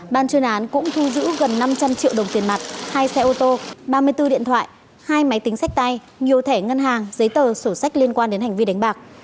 ban chuyên án cũng thu giữ gần năm trăm linh triệu đồng tiền mặt hai xe ô tô ba mươi bốn điện thoại hai máy tính sách tay nhiều thẻ ngân hàng giấy tờ sổ sách liên quan đến hành vi đánh bạc